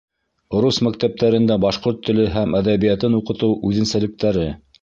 Рус мәктәптәрендә башҡорт теле һәм әҙәбиәтен уҡытыу үҙенсәлектәре